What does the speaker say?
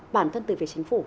bản thân từ về chính phủ